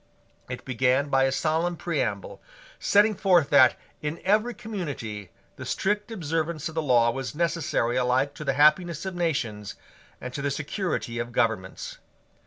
It began by a solemn preamble, setting forth that, in every community, the strict observance of law was necessary alike to the happiness of nations and to the security of governments.